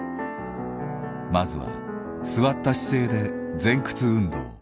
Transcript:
まずは座った姿勢で前屈運動。